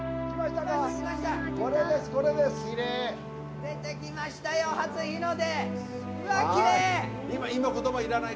見えてきました初日の出。